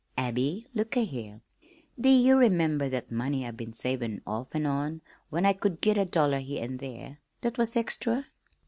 "Abby, look a' here! Do ye remember that money I've been savin' off an' on when I could git a dollar here an' there that was extra?